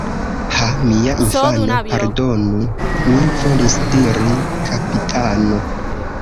Ha! mia infano ... pardonu, mi volis diri: kapitano.